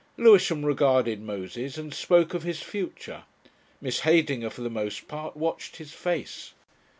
Lewisham regarded Moses and spoke of his future. Miss Heydinger for the most part watched his face.